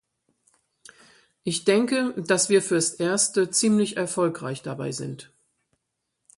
Ich denke, dass wir fürs Erste ziemlich erfolgreich dabei sind.